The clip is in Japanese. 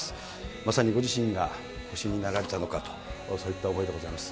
まさにご自身が星になられたのかと、そういった思いであります。